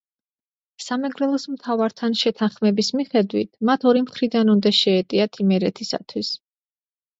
სამეგრელოს მთავართან შეთანხმების მიხედვით მათ ორი მხრიდან უნდა შეეტიათ იმერეთისათვის.